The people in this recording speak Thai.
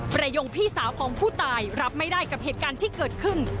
ประยงพี่สาวของผู้ตายรับไม่ได้กับเหตุการณ์ที่เกิดขึ้น